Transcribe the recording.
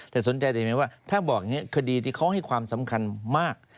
แต่สนใจแต่เห็นไหมว่าถ้าบอกอย่างนี้คดีที่เขาให้ความสำคัญมาก